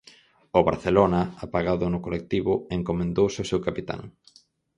O Barcelona, apagado no colectivo, encomendouse ao seu capitán.